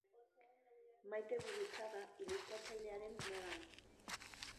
Maite Gurrutxaga ilustratzailearen neba da.